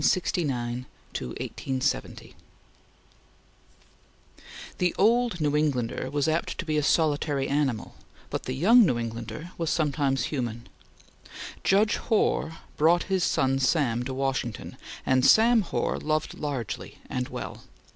CHAPTER XVIII FREE FIGHT (1869 1870) THE old New Englander was apt to be a solitary animal, but the young New Englander was sometimes human. Judge Hoar brought his son Sam to Washington, and Sam Hoar loved largely and well.